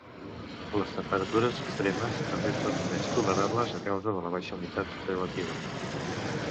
Les temperatures extremes també són més tolerables a causa de la baixa humitat relativa.